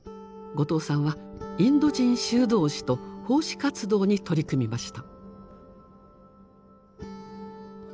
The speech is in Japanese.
後藤さんはインド人修道士と奉仕活動に取り組みました。